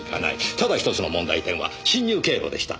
ただ１つの問題点は侵入経路でした。